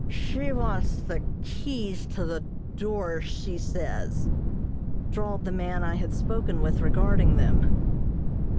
"She wants the keys to the doors, she says," drawled the man I had spoken with regarding them.